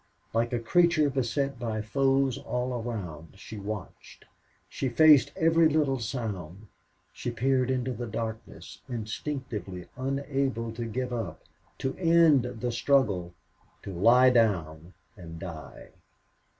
Like a creature beset by foes all around she watched; she faced every little sound; she peered into the darkness, instinctively unable to give up, to end the struggle, to lie down and die.